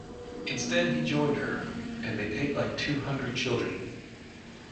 Instead, he joined her; and they ate like two hungry children.